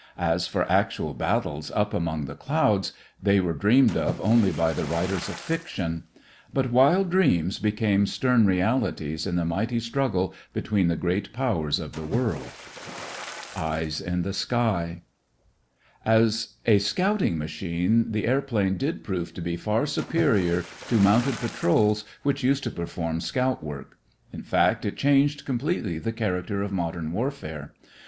As for actual battles up among the clouds, they were dreamed of only by the writers of fiction. But wild dreams became stern realities in the mighty struggle between the great powers of the world. EYES IN THE SKY As a scouting machine the airplane did prove to be far superior to mounted patrols which used to perform scout work. In fact, it changed completely the character of modern warfare.